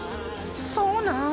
そうなん？